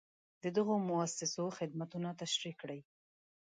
د دغو مؤسسو خدمتونه تشریح کړئ.